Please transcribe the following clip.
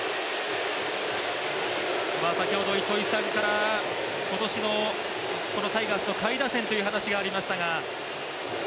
先ほど糸井さんから今年のタイガースの下位打線という話がありましたが。